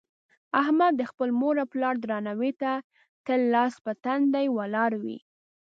احمد د خپل مور او پلار درناوي ته تل لاس په تندي ولاړ وي.